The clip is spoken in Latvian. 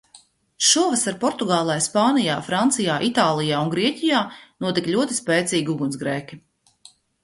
Šovasar Portugālē, Spānijā, Francijā, Itālijā un Grieķijā notika ļoti spēcīgi ugunsgrēki.